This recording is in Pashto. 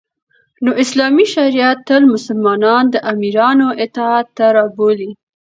نو اسلامی شریعت تل مسلمانان د امیرانو اطاعت ته رابولی